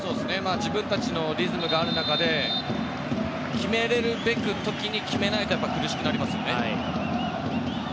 自分たちのリズムがある中で決められるべく時に決めないとやっぱり苦しくなりますよね。